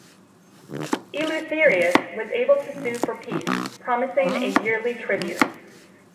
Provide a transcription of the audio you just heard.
Eleutherius was able to sue for peace, promising a yearly tribute.